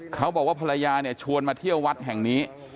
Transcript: เขาบอกว่าภรรยาเนี่ยชวนมาเที่ยววัดแห่งนี้